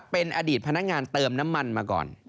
เป็นอดีตพนักงานเติมน้ำมันมาก่อน